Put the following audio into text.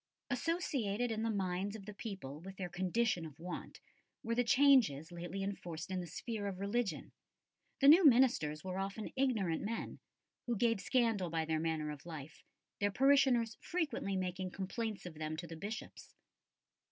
Associated in the minds of the people with their condition of want were the changes lately enforced in the sphere of religion. The new ministers were often ignorant men, who gave scandal by their manner of life, their parishioners frequently making complaints of them to the Bishops.